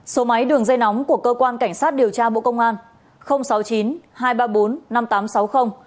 số máy đường dây nóng của cơ quan cảnh sát điều tra bộ công an